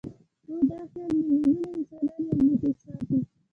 خو دا خیال میلیونونه انسانان یو موټی ساتي.